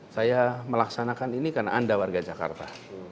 saya melaksanakan ini karena anda warga jakarta